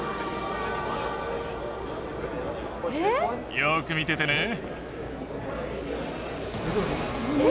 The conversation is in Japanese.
よく見ててね。え？